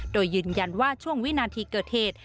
โดยยืนยันว่าช่วงวินาทีเกิดเหตุ